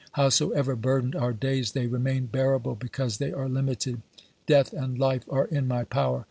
Howsoever burdened our days, they re main bearable because they are limited. Death and life are in my power.